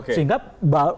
sehingga baru pakai